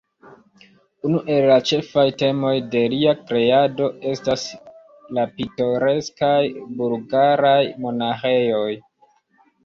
Unu el la ĉefaj temoj de lia kreado estas la pitoreskaj bulgaraj monaĥejoj.